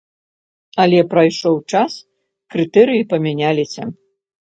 Але прайшоў час, крытэрыі памяняліся.